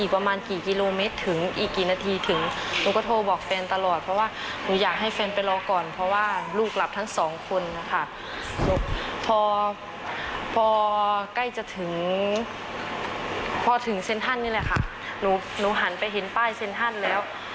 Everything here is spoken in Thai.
พอถึงเซ็นทรัลนี่แหละค่ะหนูหันไปเห็นป้ายเซ็นทรัลแล้ว